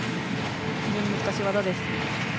非常に難しい技です。